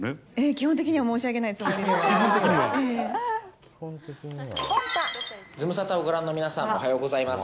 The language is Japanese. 基本的には申し上げないつも基本的には？ズムサタをご覧の皆さん、おはようございます。